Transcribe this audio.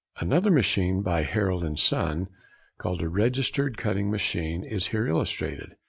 ] Another machine by Harrild and Son, called a registered cutting machine, is here illustrated.